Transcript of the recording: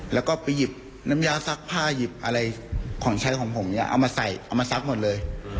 แล้วก็ไปหยิบน้ำยาซักผ้าหยิบอะไรของใช้ของผมเนี่ยเอามาใส่เอามาซักหมดเลย